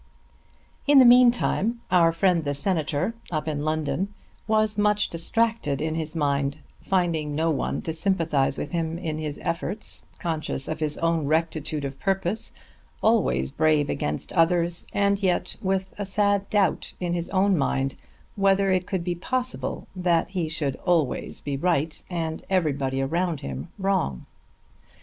In the mean time our friend the Senator, up in London, was much distracted in his mind, finding no one to sympathise with him in his efforts, conscious of his own rectitude of purpose, always brave against others, and yet with a sad doubt in his own mind whether it could be possible that he should always be right and everybody around him wrong.